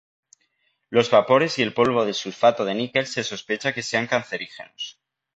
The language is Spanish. Los vapores y el polvo de sulfato de níquel se sospecha que sean cancerígenos.